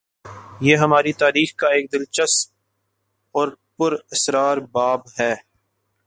یہ ہماری تاریخ کا ایک دلچسپ اور پر اسرار باب ہے۔